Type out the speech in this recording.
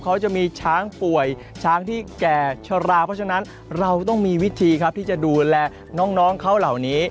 เขาจะมีช้างป่วยช้างที่แก่ชะลาเพราะฉะนั้นเราต้องมีวิธีครับที่จะดูแลน้องเขาเหล่านี้